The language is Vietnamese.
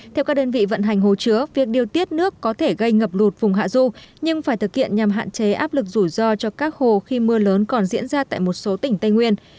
theo các đơn vị vận hành hồ chứa việc điều tiết nước có thể gây ngập lụt vùng hạ du nhưng phải thực hiện nhằm hạn chế áp lực rủi ro cho các hồ khi mưa lớn còn diễn ra tại một số tỉnh tây nguyên